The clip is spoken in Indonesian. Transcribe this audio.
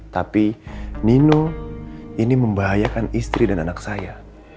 tapi nino ini membahayakan istri dan anak saya